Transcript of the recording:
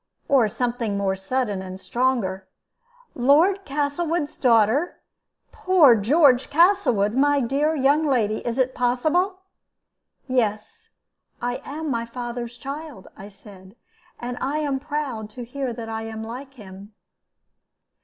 or something more sudden and stronger. "Lord Castlewood's daughter poor George Castlewood! My dear young lady, is it possible?" "Yes, I am my father's child," I said; "and I am proud to hear that I am like him."